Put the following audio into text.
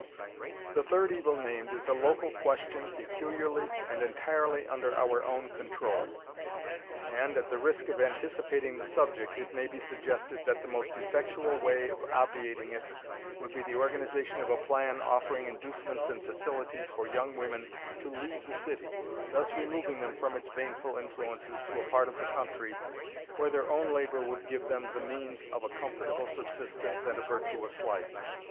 The third evil named is a local question peculiarly and entirely under our own control, and, at the risk of anticipating the subject, it may be suggested that the most effectual way of obviating it would be the organization of a plan offering inducements and facilities for young women to leave the city, thus removing them from its baneful influences to a part of the country where their own labor would give them the means of a comfortable subsistence and a virtuous life.